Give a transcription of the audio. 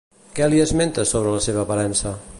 Què li esmenta sobre la seva aparença?